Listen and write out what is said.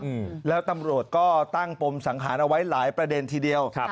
อืมแล้วตำรวจก็ตั้งปมสังหารเอาไว้หลายประเด็นทีเดียวครับ